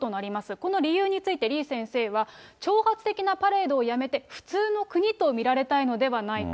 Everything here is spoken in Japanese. この理由について、李先生は、挑発的なパレードをやめて、普通の国と見られたいのではないか。